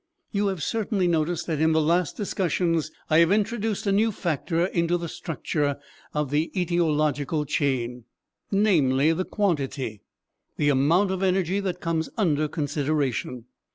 You have certainly noticed that in the last discussions I have introduced a new factor into the structure of the etiological chain, namely, the quantity, the amount of energy that comes under consideration.